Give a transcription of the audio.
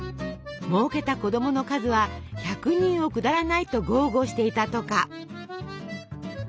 もうけた子供の数は１００人を下らないと豪語していたとか。